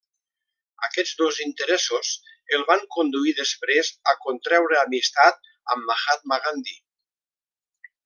Aquests dos interessos el van conduir després a contreure amistat amb Mahatma Gandhi.